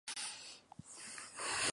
¿ustedes hubieran partido?